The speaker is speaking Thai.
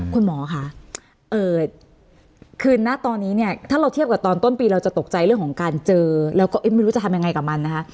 คุณหมอค่ะคือณตอนนี้เนี่ยถ้าเราเทียบกับตอนต้นปีเราจะตกใจเรื่องของการเจอแล้วก็ไม่รู้จะทำยังไงกับมันนะคะ